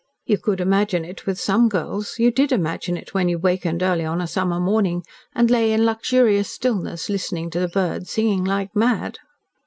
You could imagine it with some girls you DID imagine it when you wakened early on a summer morning, and lay in luxurious stillness listening to the birds singing like mad.